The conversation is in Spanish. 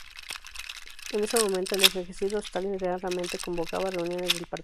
En este momento, el envejecido Stalin raramente convocaba reuniones del partido.